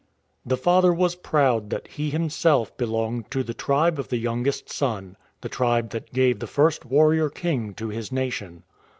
The father was proud that he himself belonged to the Tribe of the Youngest Son — the tribe that gave the first warrior king to his nation.